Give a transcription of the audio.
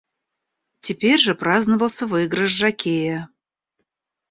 Теперь же праздновался выигрыш жокея.